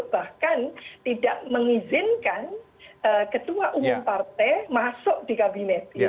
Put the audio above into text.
bahkan tidak mengizinkan ketua umum partai masuk di kabinet